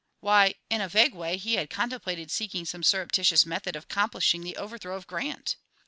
Why, in a vague way he had contemplated seeking some surreptitious method of accomplishing the overthrow of Grant!